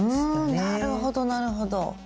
うんなるほどなるほど。